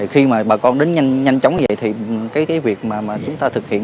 khi mà bà con đến nhanh chóng vậy thì cái việc mà chúng ta thực hiện